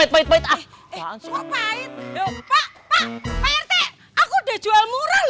pak rt aku udah jual